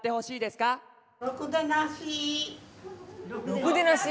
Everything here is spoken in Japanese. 「ろくでなし」